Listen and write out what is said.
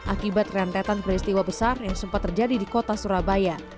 akibat rentetan peristiwa besar yang sempat terjadi di kota surabaya